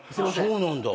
そうなんだ。